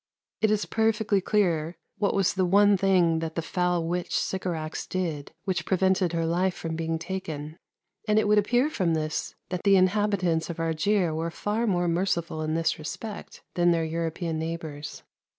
It is perfectly clear what was the one thing that the foul witch Sycorax did which prevented her life from being taken; and it would appear from this that the inhabitants of Argier were far more merciful in this respect than their European neighbours.